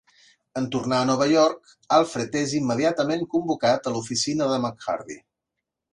En tornar a Nova York, Alfred és immediatament convocat a l'oficina de MacHardie.